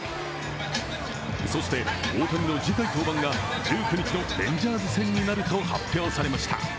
そして、大谷の次回登板が１９日のレンジャーズ戦になると発表されました。